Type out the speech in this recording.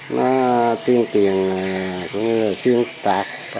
nó thiên tuyền thiên tạc